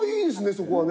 そこはね。